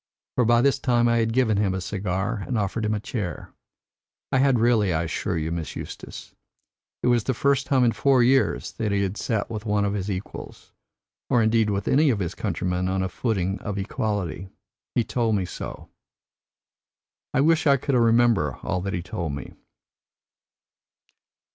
For by this time I had given him a cigar and offered him a chair. I had really, I assure you, Miss Eustace. It was the first time in four years that he had sat with one of his equals, or indeed with any of his countrymen on a footing of equality. He told me so. I wish I could remember all that he told me."